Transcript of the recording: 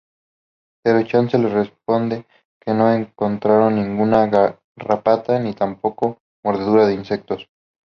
Pero Chase le responde que no encontraron ninguna garrapata, ni tampoco mordeduras de insectos.